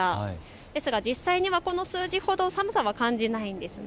ですが実際にはこの数字ほど寒さは感じないんですね。